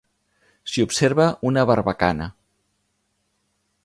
S'hi observa una barbacana.